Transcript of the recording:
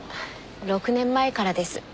６年前からです。